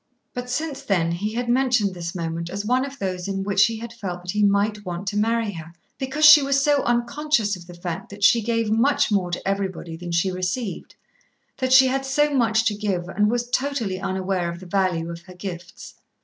But since then he had mentioned this moment as one of those in which he had felt that he might want to marry her, because she was so unconscious of the fact that she gave much more to everybody than she received, that she had so much to give and was totally unaware of the value of her gifts.